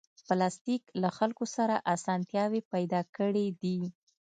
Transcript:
پلاستيک له خلکو سره اسانتیاوې پیدا کړې دي.